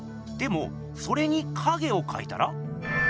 でもそれに影をかいたら？